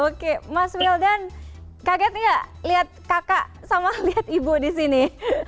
oke mas wildan kaget nggak lihat kakak sama lihat ibu di sini